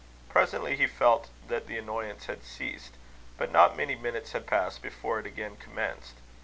Presently he felt that the annoyance had ceased; but not many minutes had passed, before it again commenced.